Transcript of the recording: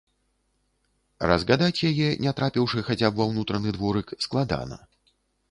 Разгадаць яе, не трапіўшы хаця б ва ўнутраны дворык, складана.